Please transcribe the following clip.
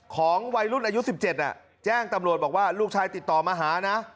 ของวัยรุ่นอายุ๑๗แจ้งตำรวจบอกว่าลูกชายติดต่อมาหานะ